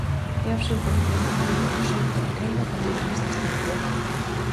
É absolutamente indignante, noxento, que aínda perduren estes títulos.